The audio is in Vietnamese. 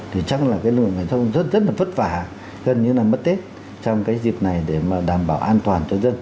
thì chắc là cái luồng giao thông rất rất là vất vả gần như là mất tết trong cái dịp này để mà đảm bảo an toàn cho dân